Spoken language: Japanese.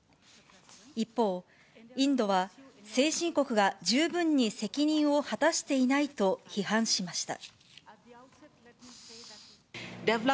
一方、インドは先進国が十分に責任を果たしていないと批判しました。